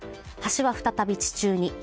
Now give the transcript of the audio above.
橋は再び地中に。